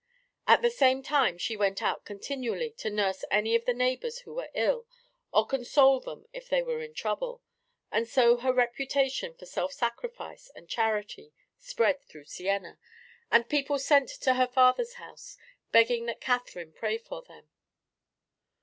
At the same time she went out continually to nurse any of the neighbors who were ill or console them if they were in trouble, and so her reputation for self sacrifice and charity spread through Siena, and people sent to her father's house begging that Catherine pray for them.